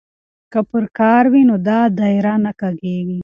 که پرکار وي نو دایره نه کږیږي.